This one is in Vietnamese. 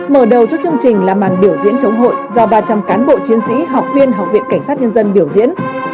mở đầu cho chương trình là màn biểu diễn chống hội do ba trăm linh cán bộ chiến sĩ học viên học viện cảnh sát nhân dân biểu diễn